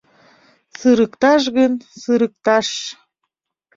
Сырыкташ гын, сырыкташ -